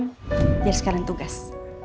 biar sekalian tugas